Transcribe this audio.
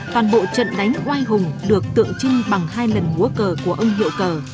toàn bộ trận đánh oai hùng được tượng trưng bằng hai lần múa cờ của ông hiệu cờ